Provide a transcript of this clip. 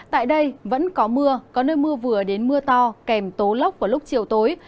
tại đây vẫn có mưa có nơi mưa vừa đến mưa to kèm tố lốc vào lúc chiều tối